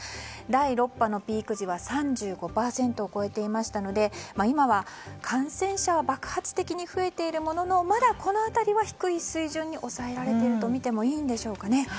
第６波のピーク時は３５％を超えていましたので今は、感染者は爆発的に増えているもののまだこの辺りは低い水準に抑えられているとみてもいいんでしょうかね。